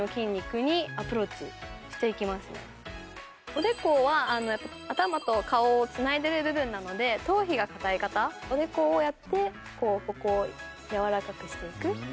おでこは頭を顔を繋いでる部分なので頭皮が硬い方おでこをやってここをやわらかくしていくっていうのがいいですね。